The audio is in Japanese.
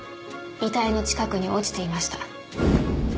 遺体の近くに落ちていました。